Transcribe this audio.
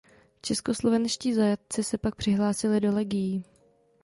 Českoslovenští zajatci se pak přihlásili do legií.